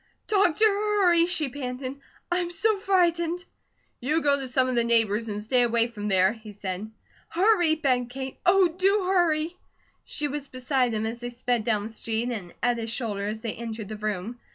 "Doctor, hurry!" she panted. "I'm so frightened." "You go to some of the neighbours, and stay away from there," he said. "Hurry!" begged Kate. "Oh, do hurry!" She was beside him as they sped down the street, and at his shoulder as they entered the room.